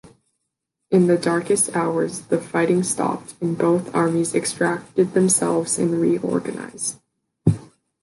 In the darkest hours, the fighting stopped, and both armies extracted themselves and reorganized.